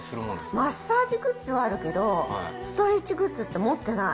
マッサージグッズはあるけど、ストレッチグッズって持ってない。